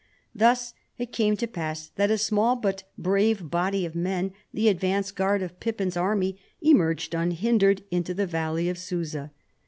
Thus it came to pass that a small but brave body of men, the advance guard of Pippin's army, emerged unhindered into the valley of Susa.